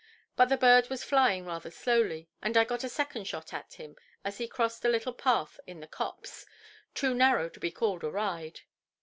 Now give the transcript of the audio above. But the bird was flying rather slowly, and I got a second shot at him, as he crossed a little path in the copse, too narrow to be called a ride.